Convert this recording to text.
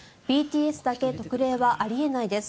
ＢＴＳだけ特例はあり得ないです。